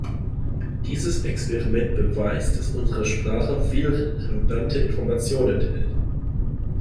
Dieses Experiment beweist, dass unsere Sprache viel redundante Information enthält.